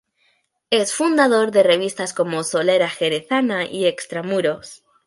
Es fundador de revistas como "Solera Jerezana" y "Extramuros".